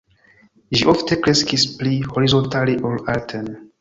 Ĝi ofte kreskis pli horizontale ol alten.